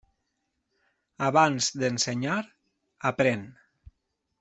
Abans d'ensenyar, aprén.